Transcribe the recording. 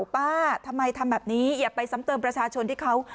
ป้าทำไมทำแบบนี้อย่าไปซ้ำเติมประชาชนที่เขา